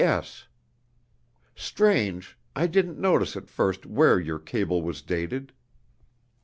"P.S. Strange, I didn't notice at first where your cable was dated!